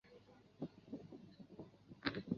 火珊瑚是千孔珊瑚科的水螅。